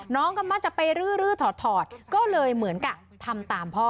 น้องก็มักจะไปรื้อถอดก็เลยเหมือนกับทำตามพ่อ